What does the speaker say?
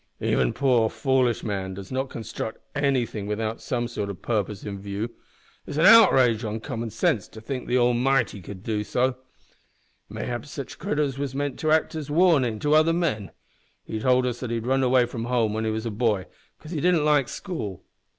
"Even poor, foolish man does not construct anything without some sort o' purpose in view. It's an outrage on common sense to think the Almighty could do so. Mayhap sitch critters was meant to act as warnin's to other men. He told us that he'd runned away from home when he was a boy 'cause he didn't like school.